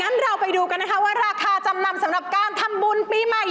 งั้นเราไปดูกันนะคะว่าราคาจำนำสำหรับการทำบุญปีใหม่